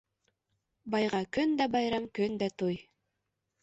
Байға көндә байрам, көндә туй